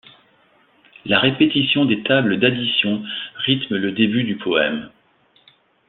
La répétition des tables d'additions rythment le début du poème.